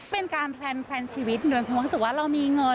เป็นการแพลนชีวิตโดยความรู้สึกว่าเรามีเงิน